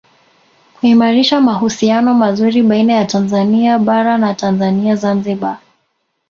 Kuimarisha mahusiano mazuri baina ya Tanzania Bara na Tanzania Zanzibar